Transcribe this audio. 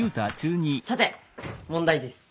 さて問題です！